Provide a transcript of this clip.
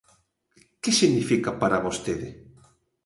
Que significa para vostede?